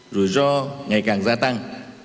rủi ro ngày càng gia tăng